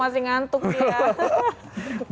masih ngantuk ya